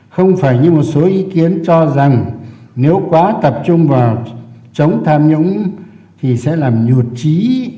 không phải như một số ý kiến cho rằng nếu quá tập trung vào chống tham nhũng thì sẽ làm nhụt trí